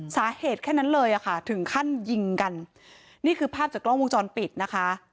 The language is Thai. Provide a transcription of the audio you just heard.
แค่นั้นเลยอ่ะค่ะถึงขั้นยิงกันนี่คือภาพจากกล้องวงจรปิดนะคะ